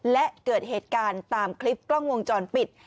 และเกิดเหตุการณ์ตามคลิปกล้องวงจรปิด